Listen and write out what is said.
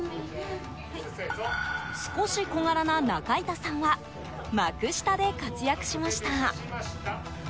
少し小柄な中板さんは幕下で活躍しました。